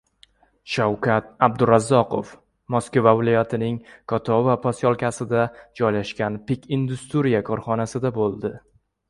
Shavkat Abdurazzoqov Moskva viloyatining Kotovo posyolkasida joylashgan “Pik-Industriya” korxonasida bo‘ldi